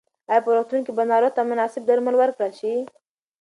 ایا په روغتون کې به ناروغ ته مناسب درمل ورکړل شي؟